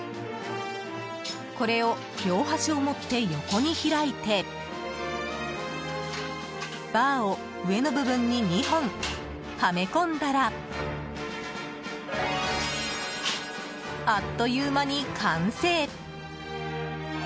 これを両端を持って横に開いてバーを上の部分に２本はめ込んだらあっという間に完成。